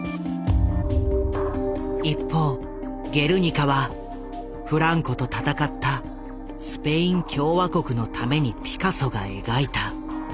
一方「ゲルニカ」はフランコと戦ったスペイン共和国のためにピカソが描いた。